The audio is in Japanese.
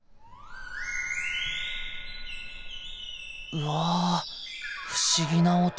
うわぁ不思議な音。